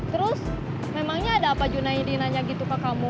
terus memangnya ada apa junaidi nanya gitu ke kamu